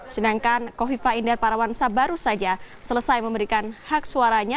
sedangkan kofifa indar parawansa baru saja selesai memberikan hak suaranya